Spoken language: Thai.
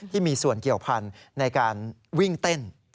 ที่มีส่วนเกี่ยวพันธุ์ในการวิ่งเต้น